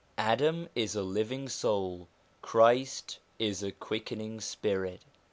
Adam is a living soul, Christ is a quicken ing spirit.